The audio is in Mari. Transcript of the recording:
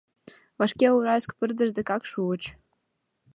Вашке Уральск пырдыж декак шуыч.